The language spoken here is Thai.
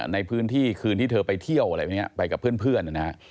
ในคืนที่เธอไปเที่ยวอะไรแบบนี้ไปกับเพื่อน